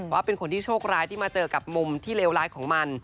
ว่าเป็นคนที่โชคร้ายที่มาเจอกับมุมที่เลวร้ายของมัน